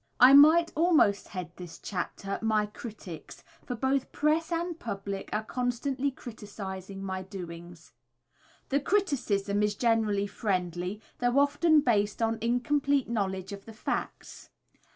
I might almost head this chapter, "My Critics," for both press and public are constantly criticising my doings. The criticism is generally friendly, though often based on incomplete knowledge of the facts.